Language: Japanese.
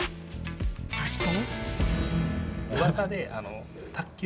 そして。